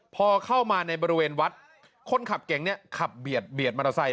พอเข้ามาในบริเวณวัดคนขับเก๋งเนี่ยขับเบียดมอเตอร์ไซค